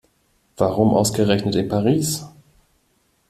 Warum ausgerechnet in Paris?